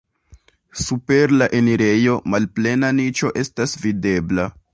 Super la enirejo malplena niĉo estas videbla.